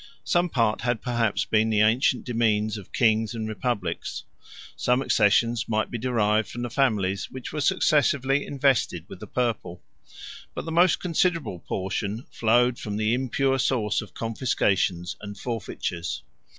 Some part had perhaps been the ancient demesnes of kings and republics; some accessions might be derived from the families which were successively invested with the purple; but the most considerable portion flowed from the impure source of confiscations and forfeitures.